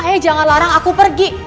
hei jangan larang aku pergi